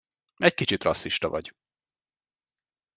Egy kicsit rasszista vagy.